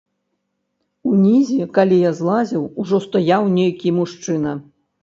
Унізе, калі я злазіў, ужо стаяў нейкі мужчына.